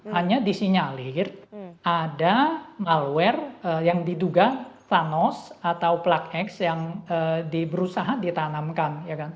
hanya disinyalir ada malware yang diduga thanos atau plug x yang diberusaha ditanamkan